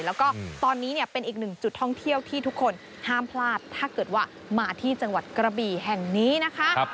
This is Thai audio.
แล้วก็ตอนนี้เนี่ยเป็นอีกหนึ่งจุดท่องเที่ยวที่ทุกคนห้ามพลาดถ้าเกิดว่ามาที่จังหวัดกระบี่แห่งนี้นะคะ